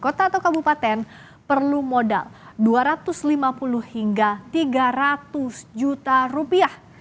kota atau kabupaten perlu modal dua ratus lima puluh hingga tiga ratus juta rupiah